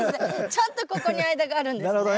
ちゃんとここに間があるんですね。